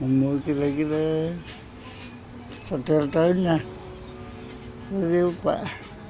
umur kira kira satu tahun lah serius pak